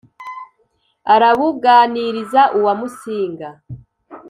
arabúganiriza uwa músinga